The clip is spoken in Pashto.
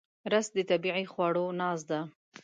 رس د طبیعي خواړو ناز ده